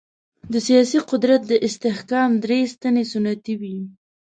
د سیاسي قدرت د استحکام درې سنتي ستنې وې.